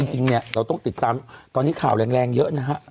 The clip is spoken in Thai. เราต้องติดตามตอนนี้ข่าวแรงเยอะนะครับ